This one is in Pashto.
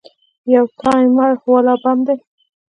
يو ټايمر والا بم دى.